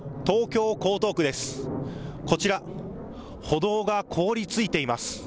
東京江東区です。